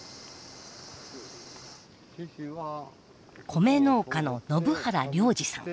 米農家の延原良治さん。